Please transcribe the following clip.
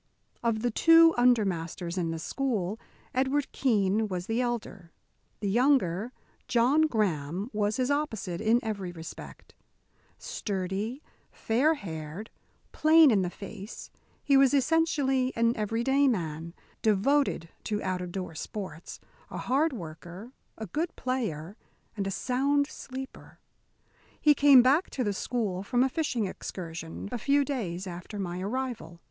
Of the two under masters in the school, Edward Keene was the elder. The younger, John Graham, was his opposite in every respect. Sturdy, fair haired, plain in the face, he was essentially an every day man, devoted to out of door sports, a hard worker, a good player, and a sound sleeper. He came back to the school, from a fishing excursion, a few days after my arrival.